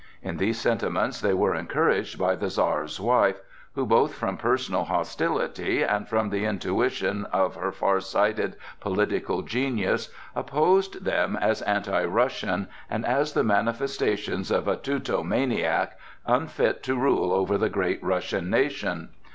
In these sentiments they were encouraged by the Czar's wife, who both from personal hostility and from the intuition of her far sighted political genius, opposed them as anti Russian and as the manifestations of a Teuto maniac unfit to rule over the great Russian nation.